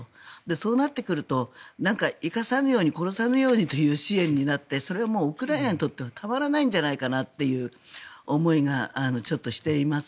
そうなってくると生かさぬように殺さぬようにという支援になってそれはウクライナにとってはたまらないんじゃないかという思いがちょっとしています。